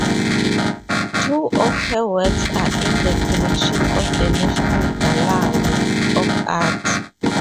Two of her works are in the collection of the National Gallery of Art.